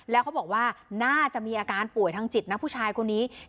แล้วเขาบอกว่าน่าจะมีอาการป่วยทางจิตนะผู้ชายคนนี้